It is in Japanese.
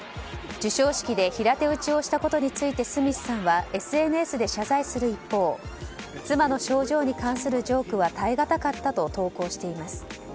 授賞式で平手打ちをしたことについて、スミスさんはＳＮＳで謝罪する一方妻の症状に関するジョークは耐えがたかったと投稿しています。